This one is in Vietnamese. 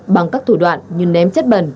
bằng các thủ đoạn như ném chất bẩn